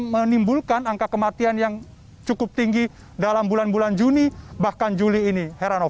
menimbulkan angka kematian yang cukup tinggi dalam bulan bulan juni bahkan juli ini heranov